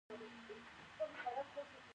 خاشرود دښتې څومره اوږدوالی لري؟